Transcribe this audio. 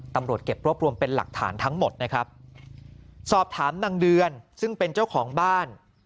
ตำรวจเก็บรวบรวมเป็นหลักฐานทั้งหมดนะครับสอบถามนางเดือนซึ่งเป็นเจ้าของบ้าน